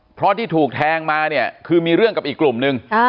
เพราะที่ถูกแทงมาเนี่ยคือมีเรื่องกับอีกกลุ่มนึง